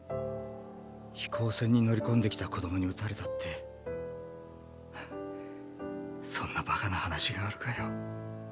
飛行船に乗り込んできた子供に撃たれたって？はそんなバカな話があるかよ。